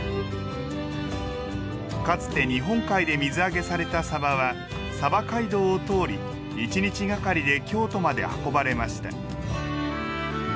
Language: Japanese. かつて日本海で水揚げされたさばは鯖街道を通り１日がかりで京都まで運ばれました